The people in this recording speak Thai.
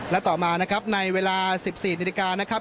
และต่อมานะครับในเวลา๑๔นาฬิกานะครับ